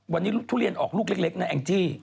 วันนี้ทุเรียนออกลูกเล็กนะแองจี้